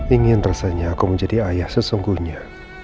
ingin rasanya aku menjadi ayah sesungguhnya